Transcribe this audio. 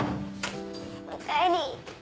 おかえり。